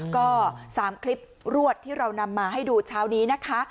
ก็๓คลิปรวดที่เรานำมาให้ดูเช้านี้นะคะ